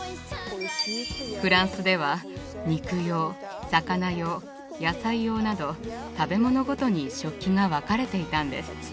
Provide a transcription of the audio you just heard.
フランスでは肉用魚用野菜用など食べ物ごとに食器が分かれていたんです。